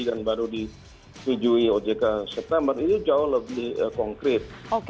dan baru dikejui ojk september itu jauh lebih konkret